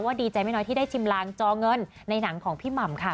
ดีใจไม่น้อยที่ได้ชิมลางจอเงินในหนังของพี่หม่ำค่ะ